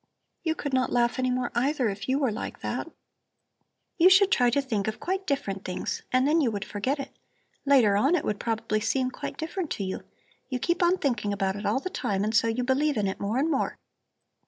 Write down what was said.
You could not laugh any more, either, if you were like that." "You should try to think of quite different things and then you would forget it. Later on it would probably seem quite different to you. You keep on thinking about it all the time and so you believe in it more and more.